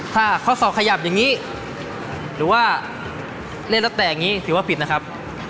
ถ้าข้อศอกขยับอย่างนี้หรือว่าเล่นแล้วแตกอย่างนี้ถือว่าผิดนะครับ